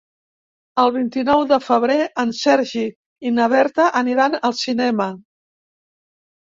El vint-i-nou de febrer en Sergi i na Berta aniran al cinema.